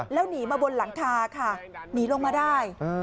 แล้วหนีมาบนหลังคาค่ะหนีลงมาได้